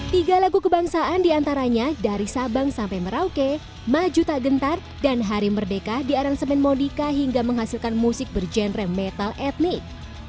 tiga lagu kebangsaan diantaranya dari sabang sampai merauke maju tak gentar dan hari merdeka di aransemen modika hingga menghasilkan musik berjenre metal etnik